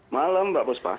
malam mbak buspa